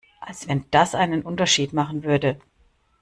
Als wenn das einen Unterschied machen würde!